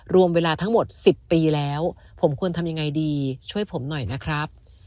รวมเวลาทั้งหมด๑๐ปีแล้วผมควรทำยังไงดีช่วยผมหน่อยนะครับ